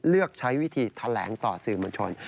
เลือกใช้วิธีแถลงต่อสื่อมวลชน